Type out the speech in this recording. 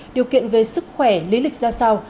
điều kiện về sức khỏe lý lịch ra sao